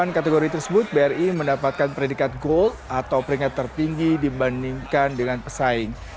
atas delapan kategori tersebut bri mendapatkan peringkat gold atau peringkat tertinggi dibandingkan dengan pesaing